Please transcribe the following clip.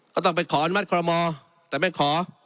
ก็ต้องไปขออนุมัติคอรมอแต่ไม่ขอ